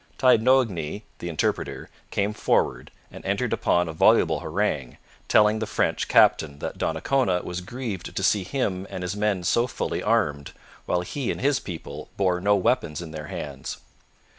Taignoagny, the interpreter, came forward and entered upon a voluble harangue, telling the French captain that Donnacona was grieved to see him and his men so fully armed, while he and his people bore no weapons in their hands.